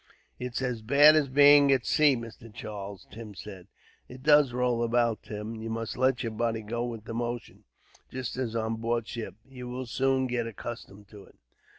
"It's as bad as being at sea, Mr. Charles," Tim said. "It does roll about, Tim. You must let your body go with the motion, just as on board ship. You will soon get accustomed to it."